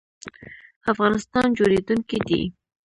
افغانستان جوړیدونکی دی